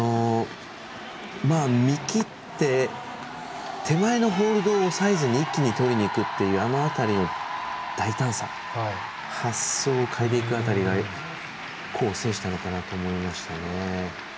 見切って、手前のホールドを押さえずに一気にいくっていうあの辺りの大胆さ発想を変えていく辺りが功を奏したのかなと思いましたね。